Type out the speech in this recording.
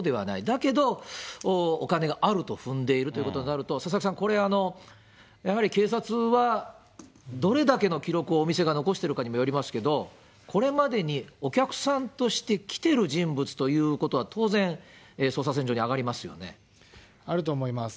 だけど、お金があると踏んでいるということになると、佐々木さん、これ、やはり警察は、どれだけの記録をお店が残しているかにもよりますけど、これまでにお客さんとして来てる人物ということは、当然、あると思います。